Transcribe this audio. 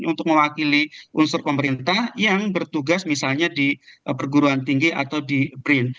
untuk mewakili unsur pemerintah yang bertugas misalnya di perguruan tinggi atau di brin